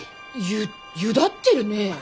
ゆゆだってるねえ。